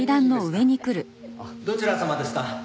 どちら様ですか？